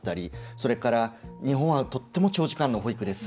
それから、日本はとっても長時間の保育です。